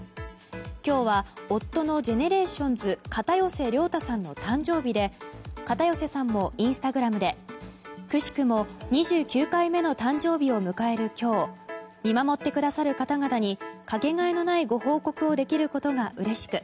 今日は夫のＧＥＮＥＲＡＴＩＯＮＳ片寄涼太さんの誕生日で片寄さんもインスタグラムでくしくも２９回目の誕生日を迎える今日見守ってくださる方々にかけがえのないご報告をできることがうれしく